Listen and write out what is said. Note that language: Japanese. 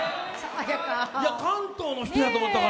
関東の人やと思ってた。